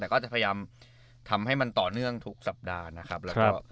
แต่ก็จะพยายามทำให้มันต่อเนื่องทุกสัปดาห์นะครับแล้วก็